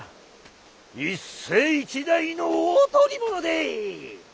一世一代の大捕り物でい！